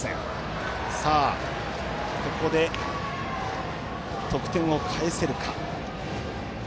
ここで得点を返せるか。